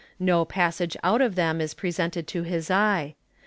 No passage out of them is presented to his eye.